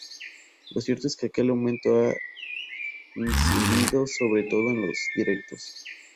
lo cierto es que el aumento ha incidido sobre todo en los directos